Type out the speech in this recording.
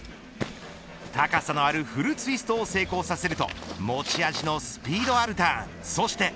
高さのあるフルツイストを成功させると持ち味のスピードあるターン。